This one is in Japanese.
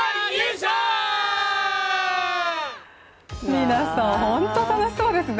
皆さん、本当に楽しそうですね。